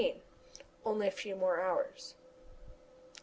ONLY A FEW MORE HOURS.